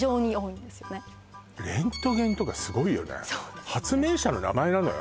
レントゲンとかすごいよね発明者の名前なのよ